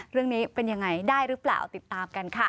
เรื่องนี้เป็นยังไงได้หรือเปล่าติดตามกันค่ะ